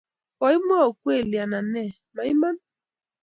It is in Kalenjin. Koimwai ukweli ana ne, maiman?